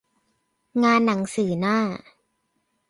งานหนังสือหน้า